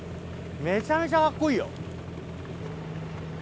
めちゃめちゃカッコいいよ。